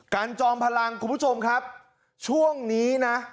จอมพลังคุณผู้ชมครับช่วงนี้นะ